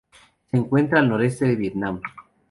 Se encuentra al noreste del Vietnam.